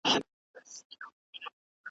ګټه په سړه سینه کیږي .